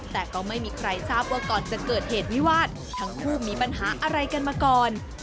แต่ก็ไม่มีใครทราบว่าก่อนจะเกิดเหตุวิวาสทั้งคู่มีปัญหาอะไรกันมาก่อน